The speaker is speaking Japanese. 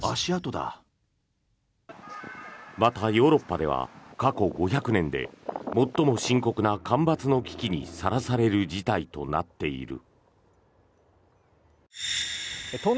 またヨーロッパでは過去５００年で最も深刻な干ばつの危機にさらされる事態となっている。